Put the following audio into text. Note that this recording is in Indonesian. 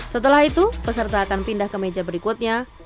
setelah itu peserta akan pindah ke meja berikutnya